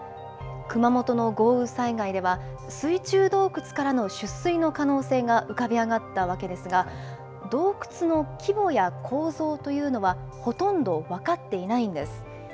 熊本の豪雨災害では、水中洞窟からの出水の可能性が浮かび上がったわけですが、洞窟の規模や構造というのは、ほとんど分かっていないんです。